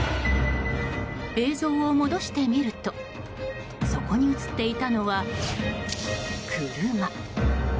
映像を戻してみるとそこに映っていたのは車。